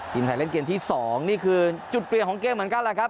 ทีมไทยเล่นเกมที่๒นี่คือจุดเปลี่ยนของเกมเหมือนกันแหละครับ